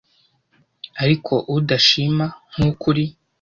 ariko udashima nkuko uri